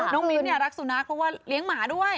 น้องมิ้นรักสูนักเพราะว่าเลี้ยงหมาด้วย